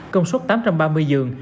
công suất tám trăm ba mươi giường